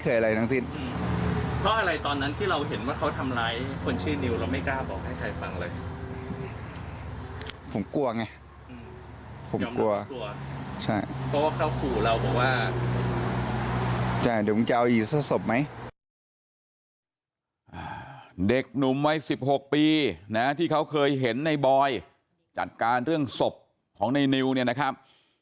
เด็กหนุ่มวัย๑๖ปีนะที่เขาเคยเห็นในบอยจัดการเรื่องศพของในนิวเนี่ยนะครับ